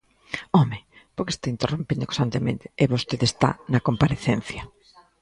¡Home!, porque está interrompendo constantemente e vostede está na comparecencia.